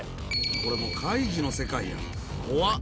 これもうカイジの世界やん、こわっ。